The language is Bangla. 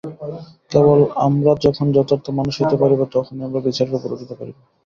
কেবল আমরা যখন যথার্থ মানুষ হইতে পারিব, তখনই আমরা বিচারের উপরে উঠিতে পারিব।